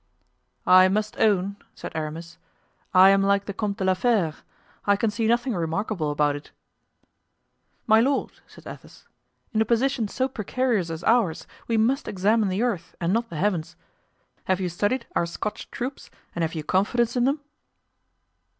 "I must own," said Aramis, "I am like the Comte de la Fere—I can see nothing remarkable about it." "My lord," said Athos, "in a position so precarious as ours we must examine the earth and not the heavens. Have you studied our Scotch troops and have you confidence in them?"